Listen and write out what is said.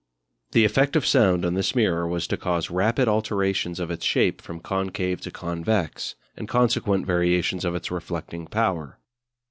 The effect of sound on this mirror was to cause rapid alterations of its shape from concave to convex, and consequent variations of its reflecting power.